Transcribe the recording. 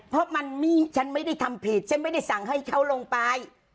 เพราะมันฉันไม่ได้ทำผิดฉันไม่ได้สั่งให้เขาลงไป